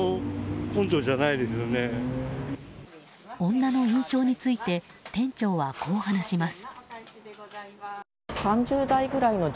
女の印象について店長はこう話します。